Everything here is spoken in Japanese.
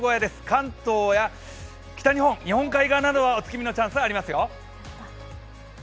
関東や北日本、日本海側などではお月見のチャンスがありますよ。